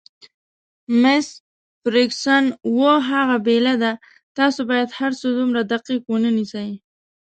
مس فرګوسن: اوه، هغه بېله ده، تاسي باید هرڅه دومره دقیق ونه نیسئ.